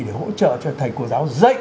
để hỗ trợ cho thầy cô giáo dạy